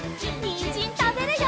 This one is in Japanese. にんじんたべるよ！